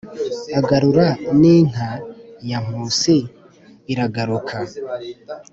agarura n’inka ya nkusi iragaruka.